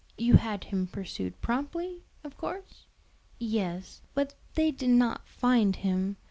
"You had him pursued promptly, of course?" "Yes; but they did not find him.